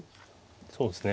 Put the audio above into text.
そうですね